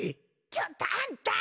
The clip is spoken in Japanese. ちょっとあんた。